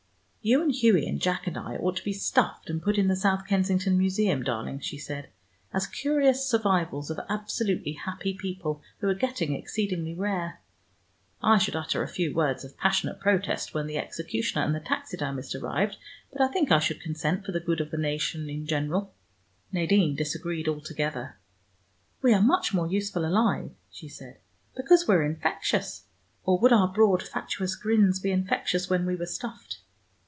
"You and Hughie and Jack and I ought to be stuffed and put in the South Kensington Museum, darling," she said, "as curious survivals of absolutely happy people, who are getting exceedingly rare. I should utter a few words of passionate protest when the executioner and the taxidermist arrived, but I think I should consent for the good of the nation in general." Nadine disagreed altogether. "We are much more useful alive," she said, "because we're infectious. Or would our broad fatuous grins be infectious when we were stuffed?